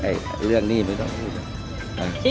เรื่องหนี้ไม่ต้องพูด